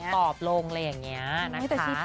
ตอบลงอะไรอย่างนี้นะคะ